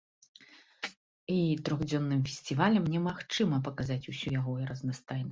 І трохдзённым фестывалем немагчыма паказаць усю яго разнастайнасць.